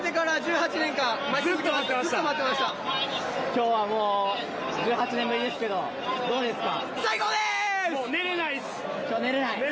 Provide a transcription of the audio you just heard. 今日は１８年ぶりですけどどうですか。